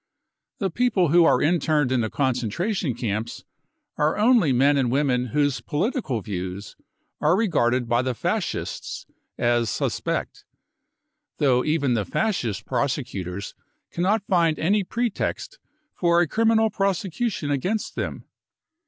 The people who are interned in the concentration camps are only men and women whose political views are regarded by the Fascists as suspect, though even the Fascist prosecutors cannot find any pretext for a criminal prosecution against them.